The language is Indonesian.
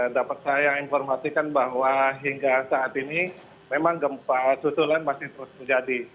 dapat saya informasikan bahwa hingga saat ini memang gempa susulan masih terus terjadi